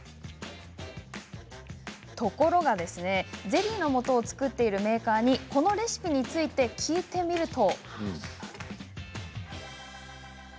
ところがゼリーのもとを作っているメーカーに、このレシピについて聞いてみると。